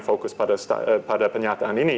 fokus pada penyataan ini